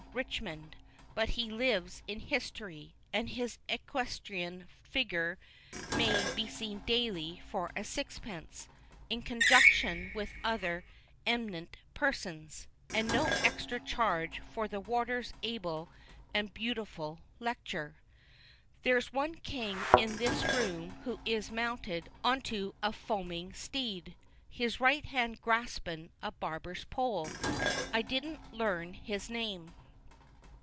Richmond, but he lives in history, and his equestrian figger may be seen daily for a sixpence, in conjunction with other em'nent persons, and no extra charge for the Warder's able and bootiful lectur. There's one King in this room who is mounted onto a foaming steed, his right hand graspin a barber's pole. I didn't learn his name.